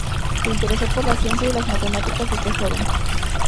Se interesó por la ciencia y las matemáticas desde joven.